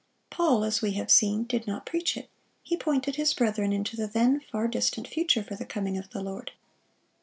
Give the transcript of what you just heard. Paul, as we have seen, did not preach it; he pointed his brethren into the then far distant future for the coming of the Lord.